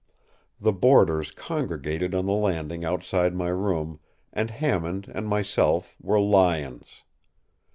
The boarders congregated on the landing outside my room, and Hammond and myself were lions.